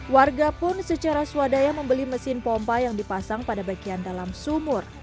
warga pun secara swadaya membeli mesin pompa yang dipasang pada bagian dalam sumur